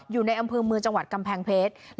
อยู่ในอำเภอเมืองจังหวัดกำแพงเพชร